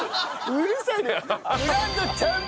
うるさいな。